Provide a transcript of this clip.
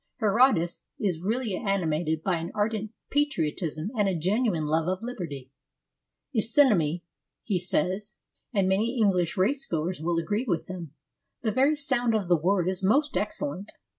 Herodotus is really animated by an ardent patriot ism and a genuine love of liberty. ' Isonomy,' he says — and many English race goers will agree with him —' the very sound of the word is most excellent.'